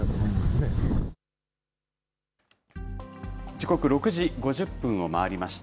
時刻６時５０分を回りました。